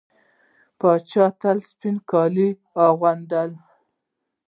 پاچا تل سپين کالي اغوندي .